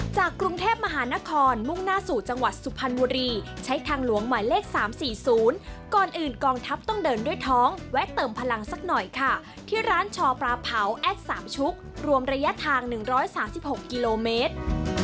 กรุงเทพมหานครมุ่งหน้าสู่จังหวัดสุพรรณบุรีใช้ทางหลวงหมายเลข๓๔๐ก่อนอื่นกองทัพต้องเดินด้วยท้องแวะเติมพลังสักหน่อยค่ะที่ร้านชอปลาเผาแอดสามชุกรวมระยะทาง๑๓๖กิโลเมตร